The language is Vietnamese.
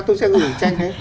tôi sẽ gửi tranh hết